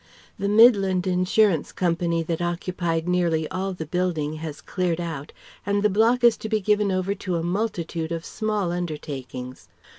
The Midland Insurance Co. that occupied nearly all the building has cleared out and the block is to be given over to a multitude of small undertakings.